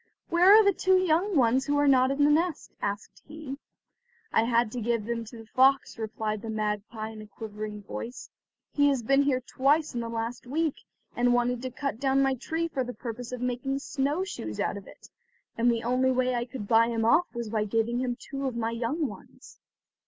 "Where are the two young ones who are not in the nest?" asked he. "I had to give them to the fox," replied the magpie in a quivering voice; "he has been here twice in the last week, and wanted to cut down my tree for the purpose of making snow shoes out of it, and the only way I could buy him off was by giving him two of my young ones."